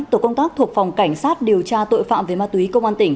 tổ công tác thuộc phòng cảnh sát điều tra tội phạm về ma túy công an tỉnh